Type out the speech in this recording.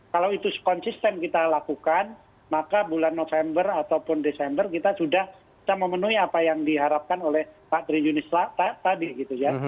kalau itu konsisten kita lakukan maka bulan november ataupun desember kita sudah bisa memenuhi apa yang diharapkan oleh pak tri yunis tadi gitu ya